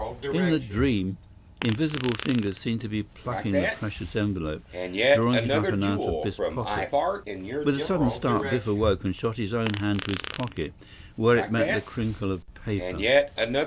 In the dream, invisible fingers seemed to be plucking the precious envelope, drawing it up and out of Biff's pocket. With a sudden start, Biff awoke and shot his own hand to his pocket, where it met the crinkle of paper.